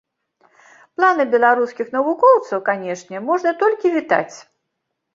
Планы беларускіх навукоўцаў, канешне, можна толькі вітаць.